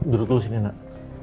duduk dulu sini nak